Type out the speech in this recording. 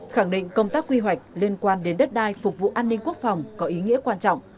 khẳng định công tác quy hoạch liên quan đến đất đai phục vụ an ninh quốc phòng có ý nghĩa quan trọng